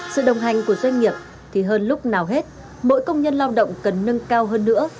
sự đồng hành của doanh nghiệp thì hơn lúc nào hết mỗi công nhân lao động cần nâng cao hơn nữa